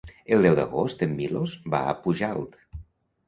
El deu d'agost en Milos va a Pujalt.